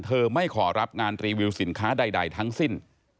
ไม่ขอรับงานรีวิวสินค้าใดทั้งสิ้น